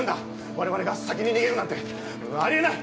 我々が先に逃げるなんてありえない！